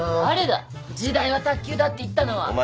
誰だ時代は卓球だって言ったのは。